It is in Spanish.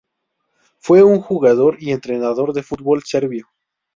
Fue un jugador y entrenador de fútbol serbio.